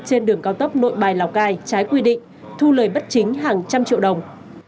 trên đường cao tốc nội bài lào cai trái quy định thu lời bất chính hàng trăm triệu đồng